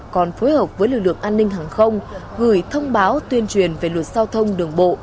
còn phối hợp với lực lượng an ninh hàng không gửi thông báo tuyên truyền về luật giao thông đường bộ